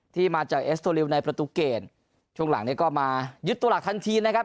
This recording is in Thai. ที่มาจากเอสโตริวในประตูเกณฑ์ช่วงหลังเนี่ยก็มายึดตัวหลักทันทีนะครับ